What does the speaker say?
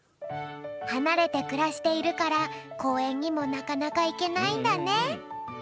はなれてくらしているからこうえんにもなかなかいけないんだね。